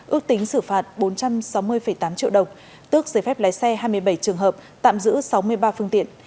ước tính xử phạt bốn trăm sáu mươi tám triệu đồng tước giấy phép lái xe hai mươi bảy trường hợp tạm giữ sáu mươi ba phương tiện